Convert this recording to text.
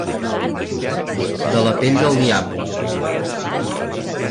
De la pell del diable.